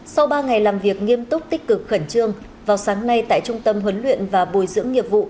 sau ba ngày làm việc nghiêm túc tích cực khẩn trương vào sáng nay tại trung tâm huấn luyện và bồi dưỡng nghiệp vụ